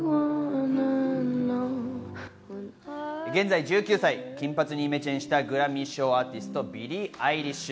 現在１９歳、金髪にイメチェンしたグラミー賞アーティスト、ビリー・アイリッシュ。